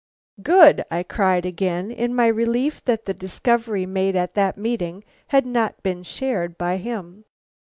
"Good!" I again cried, in my relief that the discovery made at that meeting had not been shared by him.